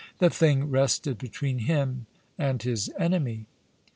The thing rested between him and his enemy.